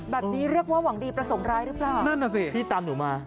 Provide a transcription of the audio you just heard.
แบบนี้เรียกว่าหวังดีประสงค์ร้ายรึเปล่านั่นแหละสิพี่ตามหนูมา